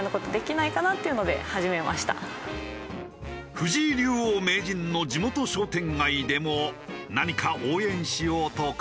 藤井竜王・名人の地元商店街でも何か応援しようと考え。